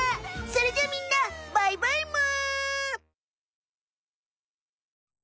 それじゃみんなバイバイむ！